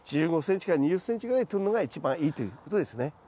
できれば１５ｃｍ２０ｃｍぐらいでとるのが一番いいということですね。